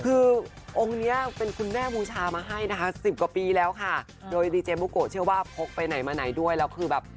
คือองค์เนี้ยเป็นคุณแม่บูชามาให้นะคะสิบกว่าปีแล้วค่ะโดยดีเจมุโกะเชื่อว่าพกไปไหนมาไหนด้วยแล้วคือแบบ